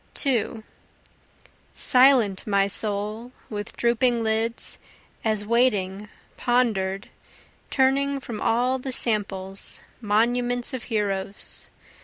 2 Silent, my soul, With drooping lids, as waiting, ponder'd, Turning from all the samples, monuments of heroes.